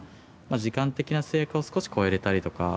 時間的な制約を少し超えれたりとか。